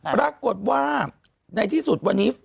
ปรากฏว่าในที่สุดวันนี้